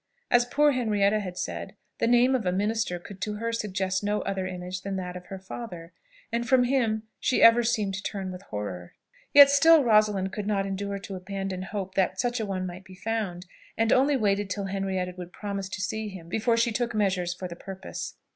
As poor Henrietta had said, the name of a minister could to her suggest no other image than that of her father; and from him she ever seemed to turn with horror. Yet still Rosalind could not endure to abandon the hope that such a one might be found, and only waited till Henrietta would promise to see him before she took measures for the purpose.